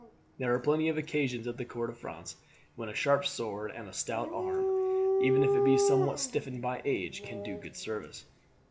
There are plenty of occasions at the court of France when a sharp sword and a stout arm, even if it be somewhat stiffened by age, can do good service."